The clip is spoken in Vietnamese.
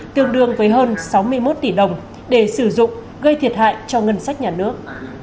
tương đương với hơn sáu mươi một tỷ đồng để sử dụng gây thiệt hại cho ngân sách nhà nước